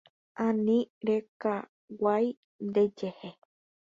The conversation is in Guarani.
Ani rekaguai ndejehe.